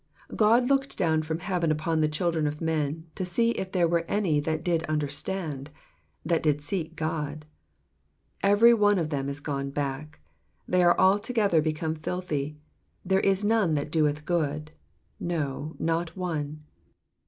2 God looked down from heaven upon the children of men, to see if there were any that did understand, that did seek God. 3 Every one of them is gone back : they are altogether be come filthy ; there is none that doeth good, no, not one.